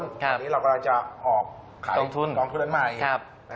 วันนี้เรากำลังจะออกขายกล้องทุนอันใหม่